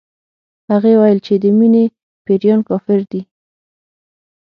هغې ويل چې د مينې پيريان کافر دي